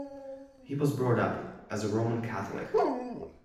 He was brought up as a Roman Catholic.